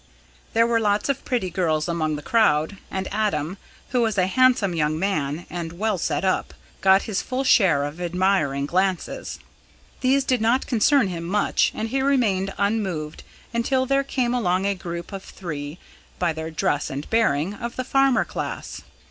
There were lots of pretty girls among the crowd, and Adam, who was a handsome young man and well set up, got his full share of admiring glances. These did not concern him much, and he remained unmoved until there came along a group of three, by their dress and bearing, of the farmer class.